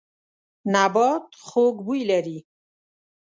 نبات خوږ بوی لري.